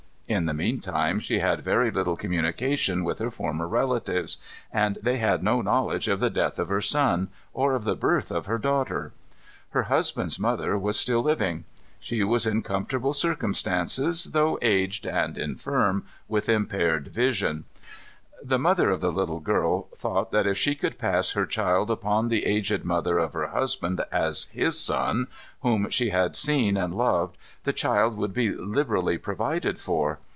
In the mean time she had very little communication with her former relatives; and they had no knowledge of the death of her son, or of the birth of her daughter. Her husband's mother was still living. She was in comfortable circumstances, though aged and infirm, with impaired vision. The mother of the little girl thought that if she could pass her child upon the aged mother of her husband, as his son, whom she had seen and loved, the child would be liberally provided for.